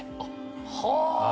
はあ。